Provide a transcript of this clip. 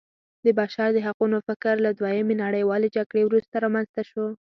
د بشر د حقونو فکر له دویمې نړیوالې جګړې وروسته رامنځته شو.